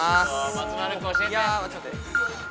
松丸君教えて！